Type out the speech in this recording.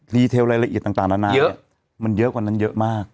เทลรายละเอียดต่างนานาเยอะมันเยอะกว่านั้นเยอะมาก